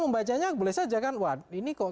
membacanya boleh saja kan wah ini kok